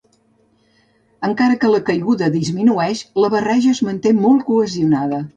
Encara que la caiguda disminueix, la barreja es manté molt cohesionada.